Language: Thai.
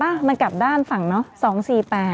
อ่ะมันกลับด้านฝั่งเนอะ